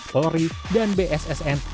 polri dan bssn